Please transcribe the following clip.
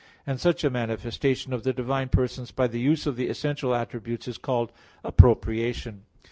And such a manifestation of the divine persons by the use of the essential attributes is called "appropriation."